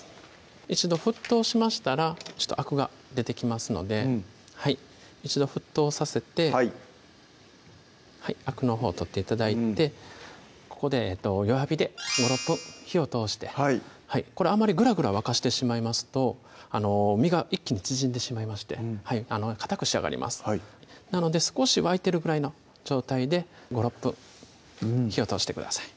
一度沸騰しましたらあくが出てきますので一度沸騰させてはいあくのほう取って頂いてここで弱火で５６分火を通してこれあんまりグラグラ沸かしてしまいますと身が一気に縮んでしまいましてかたく仕上がりますなので少し沸いてるぐらいの状態で５６分火を通してください